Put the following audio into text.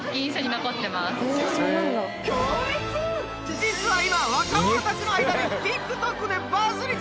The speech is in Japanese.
実は今若者たちの間でＴｉｋＴｏｋでバズり中。